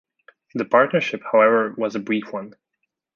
The partnership, however, was a brief one.